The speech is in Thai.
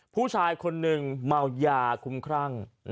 ผู้ชายคนหนึ่งเมายาคุ้มครั่ง